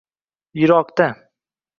Yirokda